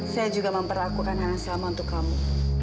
saya juga memperlakukan hal yang sama untuk kamu